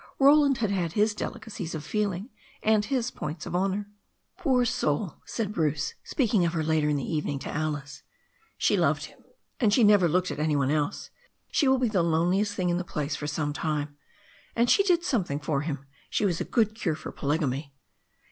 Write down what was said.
Roland had had his delicacies of feeling and his points of honour. "Poor soul," said Bruce, speaking of her later in the eve ning to Alice. "She loved him, and she never looked at any one else. She will be the loneliest thing in the place for some time. And she did something for him. She was a good cure for polygamy."